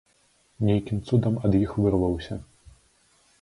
Нейкім цудам ад іх вырваўся.